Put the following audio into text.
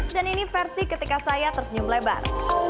dan ini versi ketika saya tersenyum lebar